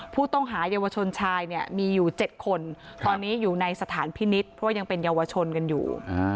ผู้ต้องหาเยาวชนชายเนี่ยมีอยู่๗คนตอนนี้อยู่ในสถานพินิษฐ์เพราะว่ายังเป็นเยาวชนกันอยู่